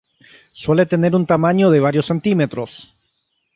Suele tener un tamaño de varios centímetros.